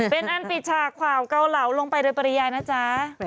เป็นอันปิดฉากขวาวเกาเหลาลงไปโดยปริยายนะจ๊ะ